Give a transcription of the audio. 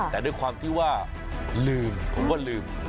แต่ด้วยความที่ว่าลืมผมว่าลืม